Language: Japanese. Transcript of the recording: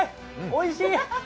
おいしい！